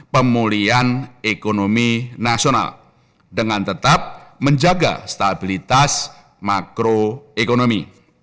pemulihan ekonomi nasional dengan tetap menjaga stabilitas makroekonomi